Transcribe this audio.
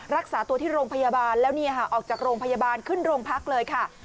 รักษาตัวที่โรงพยาบาลแล้วออกจากโรงพยาบาลขึ้นโรงพักเลยค่ะ